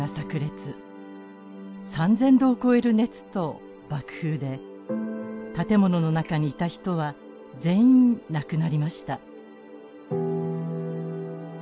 ３，０００度を超える熱と爆風で建物の中にいた人は全員亡くなりました。